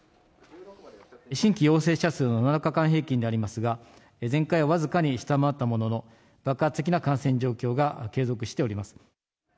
新規陽性者数の７日間平均でありますが、前回を僅かに下回ったものの、爆発的な感染状況が継続しております。